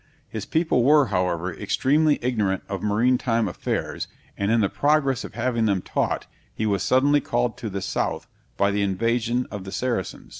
His people were, however, extremely ignorant of maritime affairs, and in the progress of having them taught, he was suddenly called to the south, by the invasion of the Saracens.